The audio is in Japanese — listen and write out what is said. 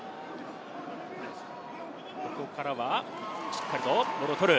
ここからは、しっかりとボールを取る。